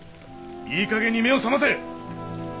いいかげんに目を覚ませ！